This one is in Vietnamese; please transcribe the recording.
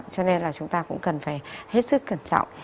cho nên là chúng ta cũng cần phải hết sức cẩn trọng